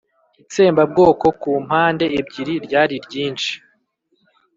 itsembabwoko ku mpande ebyiri ryari ryinshi